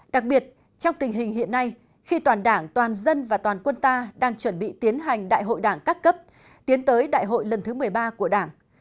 đặc biệt trong tình hình hiện nay khi toàn đảng toàn dân và toàn quân ta đang chuẩn bị tiến hành đại hội đảng các cấp tiến tới đại hội lần thứ một mươi ba của đảng